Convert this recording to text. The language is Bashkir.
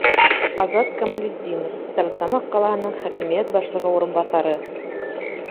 Азат КАМАЛЕТДИНОВ, Стәрлетамаҡ ҡалаһының хакимиәт башлығы урынбаҫары: